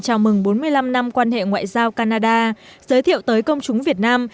chào mừng bốn mươi năm năm quan hệ ngoại giao canada giới thiệu tới công chúng việt nam